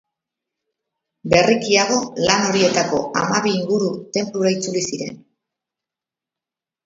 Berrikiago, lan horietako hamabi inguru tenplura itzuli ziren.